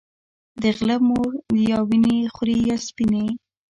د غله مور يا وينې خورې يا سپينې